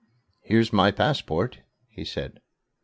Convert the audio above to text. "Here's my passport," he said.